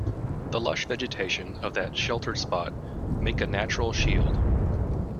The lush vegetation of that sheltered spot make a natural shield.